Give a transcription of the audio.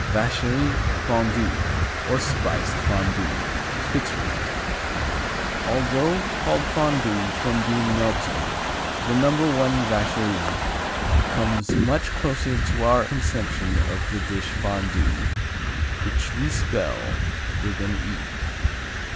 Vacherin Fondu, or Spiced Fondu. Switzerland. Although called Fondu from being melted, the No. I Vacherin comes much closer to our conception of the dish Fondue, which we spell with an "e."